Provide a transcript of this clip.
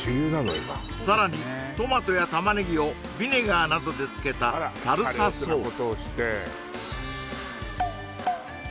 今さらにトマトやタマネギをビネガーなどで漬けたサルサソース